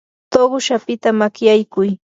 tuqush apita makyaykuy.